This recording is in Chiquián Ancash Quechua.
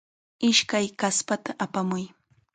Ishkay kaspata apamuy.